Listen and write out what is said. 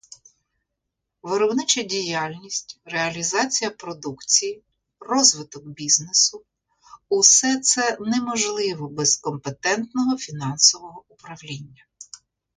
Виробнича діяльність, реалізація продукції, розвиток бізнесу - усе це неможливо без компетентного фінансового управління.